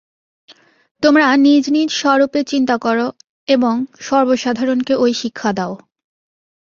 তোমরা নিজ নিজ স্বরূপের চিন্তা কর এবং সর্বসাধারণকে ঐ শিক্ষা দাও।